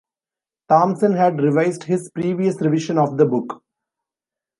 Thompson had revised his previous revision of the book.